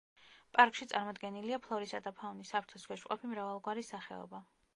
პარკში წარმოდგენილია ფლორისა და ფაუნის საფრთხის ქვეშ მყოფი მრავალგვარი სახეობა.